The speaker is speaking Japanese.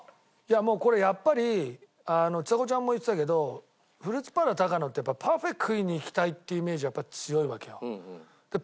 もうこれやっぱりちさ子ちゃんも言ってたけどフルーツパーラータカノってやっぱパフェ食いに行きたいっていうイメージがやっぱ強いわけよ。